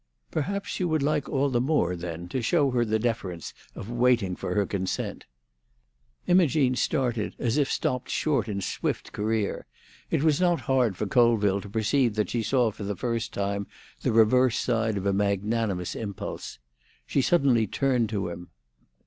"Perhaps you would like all the more, then, to show her the deference of waiting for her consent." Imogene started as if stopped short in swift career; it was not hard for Colville to perceive that she saw for the first time the reverse side of a magnanimous impulse. She suddenly turned to him.